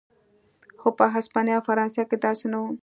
خو په هسپانیا او فرانسه کې داسې نه و.